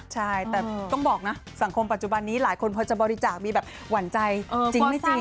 ใช่แต่ต้องบอกนะสังคมปัจจุบันนี้หลายคนพอจะบริจาคมีแบบหวั่นใจจริงไม่จริง